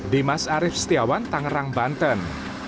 dimas arief setiawan tangerang banten